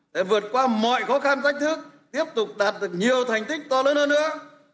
để vượt qua mọi khó khăn thách thức tiếp tục đạt được nhiều thành tích to lớn hơn nữa